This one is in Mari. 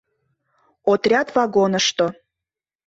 Отряд вагонышто.